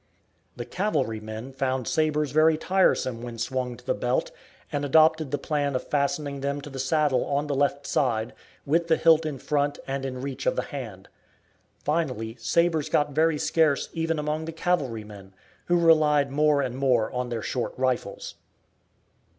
The cavalrymen found sabres very tiresome when swung to the belt, and adopted the plan of fastening them to the saddle on the left side, with the hilt in front and in reach of the hand. Finally sabres got very scarce even among the cavalrymen, who relied more and more on their short rifles.